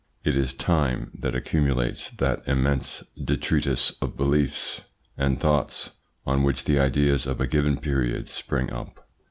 It is time that accumulates that immense detritus of beliefs and thoughts on which the ideas of a given period spring up.